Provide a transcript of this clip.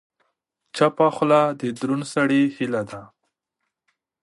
چپه خوله، د دروند سړي هیله ده.